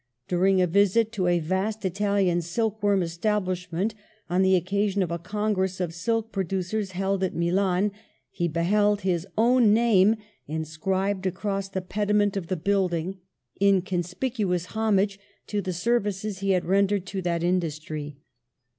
During a visit to a vast Italian silk worm es tablishment, on the occasion of a congress of silk producers held at Milan, he beheld his own name inscribed across the pediment of the building, in conspicuous homage to the services he had rendered to that industry.